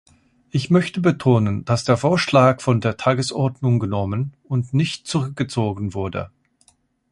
Ich möchte betonen, dass der Vorschlag von der Tagesordnung genommen und nicht zurückgezogen wurde.